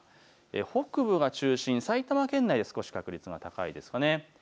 北部が中心、埼玉県内で少し確率が高いですかね。